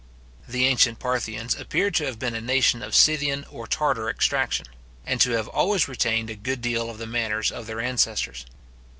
The ancient Parthians appear to have been a nation of Scythian or Tartar extraction, and to have always retained a good deal of the manners of their ancestors.